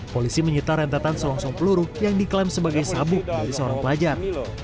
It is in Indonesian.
polisi menyita rentetan selongsong peluru yang diklaim sebagai sabuk dari seorang pelajar